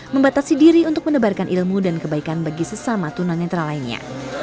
membatasi diri untuk menebarkan ilmu dan kebaikan bagi sesama tunanetra lainnya